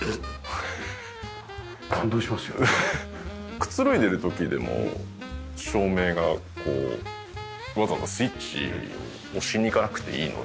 くつろいでる時でも照明がわざわざスイッチを押しにいかなくていいので。